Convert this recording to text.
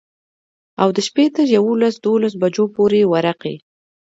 او د شپي تر يوولس دولسو بجو پورې ورقې.